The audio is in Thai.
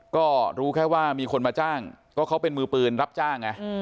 ก็รู้แค่ว่ามีคนมาจ้างก็เขาเป็นมือปืนรับจ้างไง